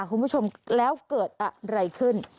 คุณผู้ชมแล้วเกิดอะไรขึ้น